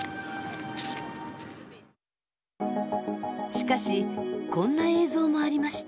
しかしこんな映像もありました。